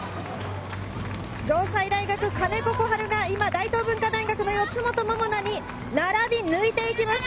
城西大学・兼子心晴が今、大東文化大学の四元桃奈に並び、抜いていきました。